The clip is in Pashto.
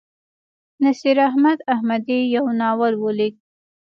نصیراحمد احمدي یو ناول ولیک.